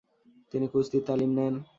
তিনি কুস্তির তালিম নেন।